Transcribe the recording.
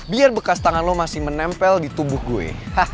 biar bekas tangan lo masih menempel di tubuh gue